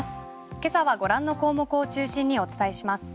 今朝はご覧の項目を中心にお伝えします。